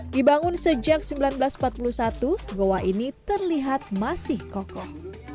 dibangun sejak seribu sembilan ratus empat puluh satu goa ini terlihat masih kokoh